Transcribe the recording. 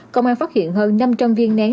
công an phát hiện hơn năm trăm linh viên nén